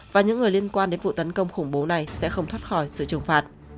và những người liên quan đến vụ tấn công khủng bố này sẽ không thoát khỏi sự trừng phạt